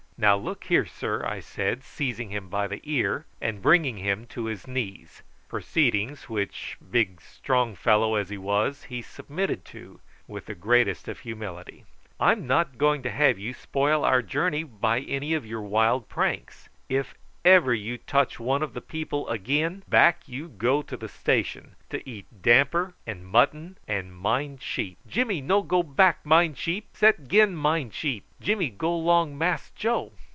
"Now look here, sir," I said, seizing him by the ear and bringing him to his knees, proceedings which, big strong fellow as he was, he submitted to with the greatest of humility, "I'm not going to have you spoil our journey by any of your wild pranks; if ever you touch one of the people again, back you go to the station to eat damper and mutton and mind sheep." "Jimmy no go back mind sheep; set gin mind sheep. Jimmy go long Mass Joe."